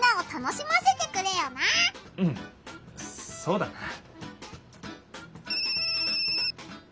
うんそうだな。